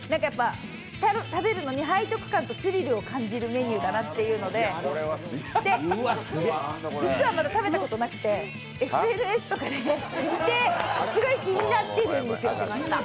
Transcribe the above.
食べるのに背徳感とスリルを感じるメニューだなっていうことで実はまだ食べたことなくてＳＮＳとかで見てすごい気になってるんですよ。